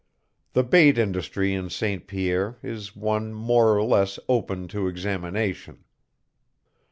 The bait industry in St. Pierre is one more or less open to examination.